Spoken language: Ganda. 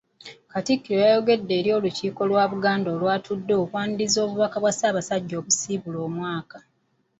Katikkiro yayogedde eri Olukiiko lwa Buganda olwatudde okwaniriza obubaka bwa Ssaabasajja obusiibula omwaka.